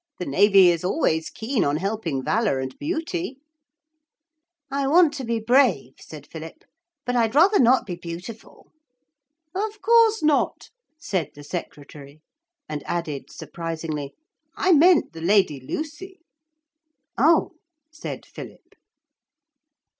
The navy is always keen on helping valour and beauty.' 'I want to be brave,' said Philip, 'but I'd rather not be beautiful.' 'Of course not,' said the secretary; and added surprisingly, 'I meant the Lady Lucy.' 'Oh!' said Philip.